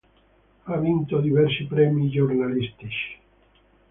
Ha vinto diversi premi giornalistici.